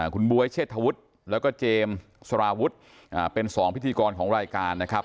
คุณบ๊วยเชษฐวุฒิแล้วก็เจมส์สารวุฒิเป็น๒พิธีกรของรายการนะครับ